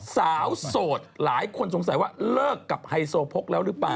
โสดหลายคนสงสัยว่าเลิกกับไฮโซโพกแล้วหรือเปล่า